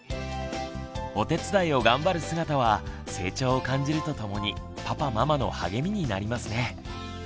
お手伝いを頑張る姿は成長を感じるとともにパパママの励みになりますね。